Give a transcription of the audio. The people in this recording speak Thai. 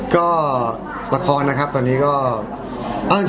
ก็ละครนะครับตอนนี้ก็